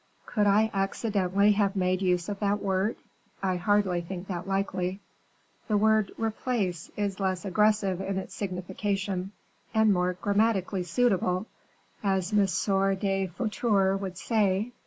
Could I accidentally have made use of that word? I hardly think that likely. The word 'replace' is less aggressive in its signification, and more grammatically suitable, as M. de Voiture would say.